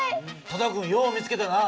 多田君よう見つけたな。